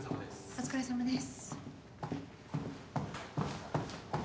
お疲れさまです。